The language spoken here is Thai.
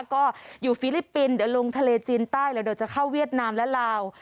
ก็อยู่ฟิลิปปินส์เดี๋ยวลงทะเลจีนใต้แล้วเดี๋ยวจะเข้าเวียดนามและลาว